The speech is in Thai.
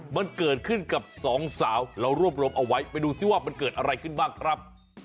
มันเกิดขึ้นกับสองสาวเรารวบรวมเอาไว้ไปดูซิว่ามันเกิดอะไรขึ้นบ้างครับ